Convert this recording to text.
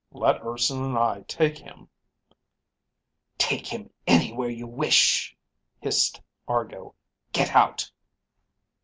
"Let Urson and I take him ..." "Take him anywhere you wish!" hissed Argo. "Get out!"